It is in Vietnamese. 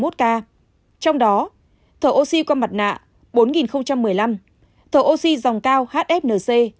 trong đó thở oxy qua mặt nạ bốn một mươi năm thở oxy dòng cao hfnc một hai trăm linh bảy